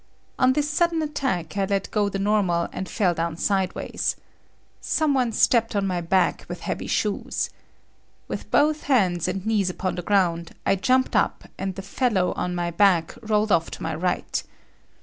On this sudden attack, I let go the normal and fell down sideways. Some one stepped on my back with heavy shoes. With both hands and knees upon the ground, I jumped up and the fellow on my back rolled off to my right.